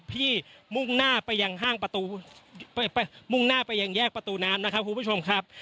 ที่มุ่งหน้าไปยังแยกประตูน้ำนะครับคุณผู้ชมครับ